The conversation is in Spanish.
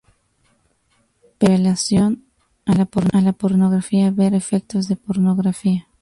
Pero, en relación a la pornografía, ver Efectos de pornografía.